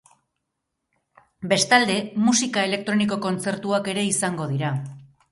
Bestalde, musika elektroniko kontzertuak ere izango dira.